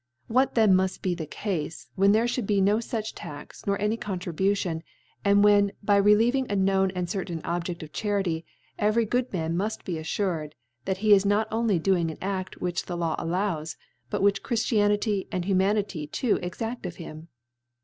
What then muft be the Cafe, when there fhouldi be no (bcfa Tax, nor any fuch Contribution ; and when, by relieving a known and certain Objedl of Charity, every good Man muft be affuredy that he is not only doing an A6t which the Law allows, but which Chriftianity and Humanity too exadfc of him